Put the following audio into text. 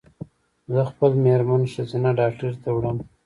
زه خپل مېرمن ښځېنه ډاکټري ته وړم